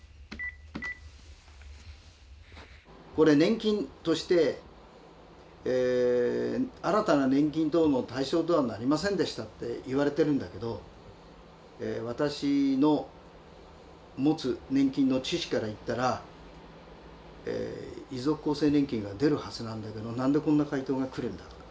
これ年金として新たな年金等の対象とはなりませんでしたと言われてるんだけど私の持つ年金の知識から言ったら遺族厚生年金が出るはずなんだけど何でこんな回答が来るんだろうか。